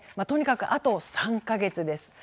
とにかくあと３か月です。